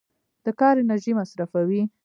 د کار انرژي مصرفوي.